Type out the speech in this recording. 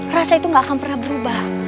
rasa itu gak akan pernah berubah